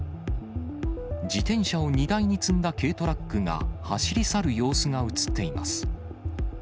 自転車を荷台に積んだ軽トラックが走り去る様子が写っています。